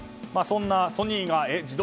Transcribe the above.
そんなソニーがえっ？